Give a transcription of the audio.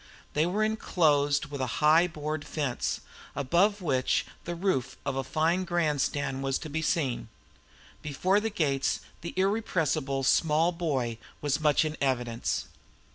They were inclosed with a high board fence, above which the roof of a fine grandstand was to be seen. Before the gates the irrepressible small boy was much in evidence.